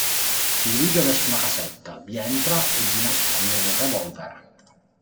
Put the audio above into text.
Si dirige verso una casetta, vi entra e vi nasconde un revolver.